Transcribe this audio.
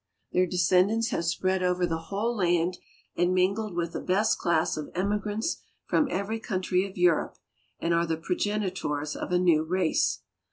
Their descendants have spread over the whole land and mingled with the best class of emigrants from every country of Europe, and are the progenitors of a new race.